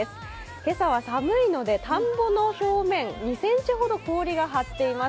今朝は寒いので田んぼの表面２ｃｍほど氷が張っています。